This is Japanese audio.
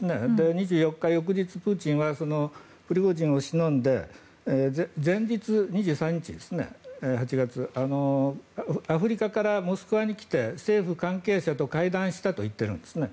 ２４日、翌日、プーチンはプリゴジンをしのんで前日、８月２３日アフリカからモスクワに来て政府関係者と会談したと言ってるんですね。